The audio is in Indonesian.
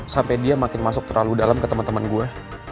sampai dia makin masuk terlalu dalam ke teman teman gue